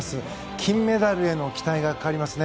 金メダルへの期待がかかりますね。